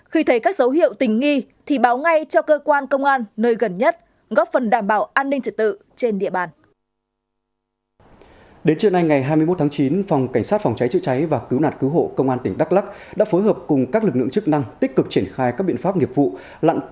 khi thấy các dấu hiệu tình nghi thì báo ngay cho cơ quan công an nơi gần nhất góp phần đảm bảo an ninh trật tự trên địa bàn